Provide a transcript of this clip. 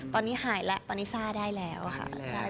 ตอนนี้หายแล้วตอนนี้ซ่าได้แล้วค่ะ